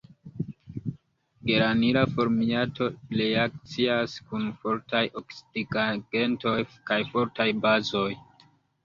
Geranila formiato reakcias kun fortaj oksidigagentoj kaj fortaj bazoj.